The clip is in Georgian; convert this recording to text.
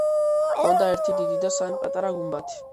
ჰქონდა ერთი დიდი და სამი პატარა გუმბათი.